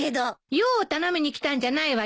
用を頼みに来たんじゃないわよ。